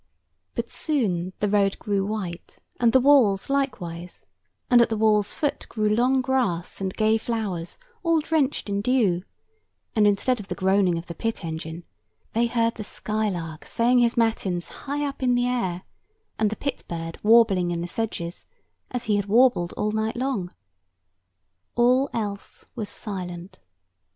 But soon the road grew white, and the walls likewise; and at the wall's foot grew long grass and gay flowers, all drenched with dew; and instead of the groaning of the pit engine, they heard the skylark saying his matins high up in the air, and the pit bird warbling in the sedges, as he had warbled all night long. All else was silent.